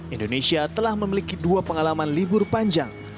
indonesia telah memiliki dua pengalaman libur panjang